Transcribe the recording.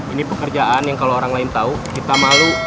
ini pekerjaan yang kalau orang lain tahu kita malu